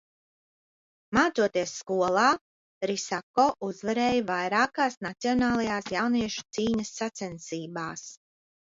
Mācoties skolā, Risako uzvarēja vairākās nacionālajās jauniešu cīņas sacensībās.